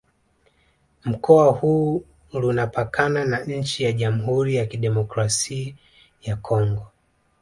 Mkoa huu Lunapakana na nchi za Jamhuri ya Kidemokrasi ya Kongo